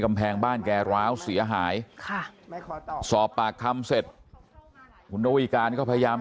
กำแพงบ้านแกร้าวเสียหายค่ะสอบปากคำเสร็จคุณระวีการก็พยายาม